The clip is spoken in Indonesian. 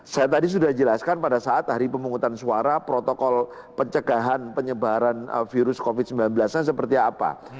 saya tadi sudah jelaskan pada saat hari pemungutan suara protokol pencegahan penyebaran virus covid sembilan belas nya seperti apa